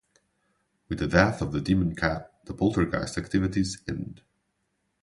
With the death of the demon-cat the poltergeist-activities end.